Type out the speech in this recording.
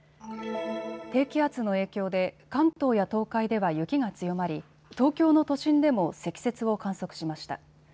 低気圧の影響で関東や東海では雪が強まり東京の都心でも積雪を観測しました。